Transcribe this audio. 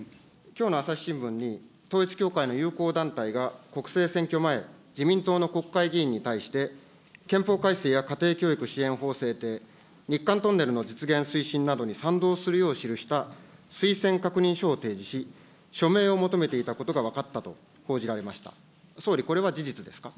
きょうの朝日新聞に、統一教会の友好団体が国政選挙前、自民党の国会議員に対して、憲法改正や家庭教育支援法を制定、日韓トンネルの実現推進などに賛同するよう記した推薦確認書を提示し、署名を求めていたことが分かったと報じられました。